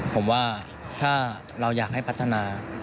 ผมว่าถ้าเราอยากให้พัฒนา